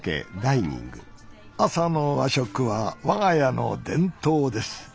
朝の和食は我が家の伝統です。